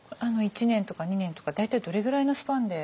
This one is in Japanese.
１年とか２年とか大体どれぐらいのスパンで？